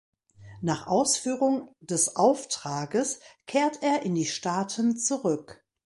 Nach Ausführung des Auftrages kehrt er in die Staaten zurück.